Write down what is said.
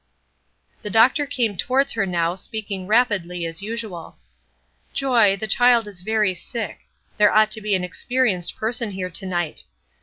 The doctor came towards her now, speaking rapidly, as usual: "Joy, the child is very sick. There ought to be an experienced person here to night.